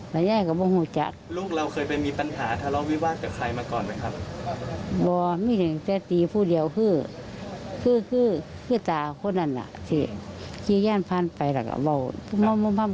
ลูกเราเคยมีปัญหาทาเลาวิวาดอยู่ใครมาก่อนนะครับ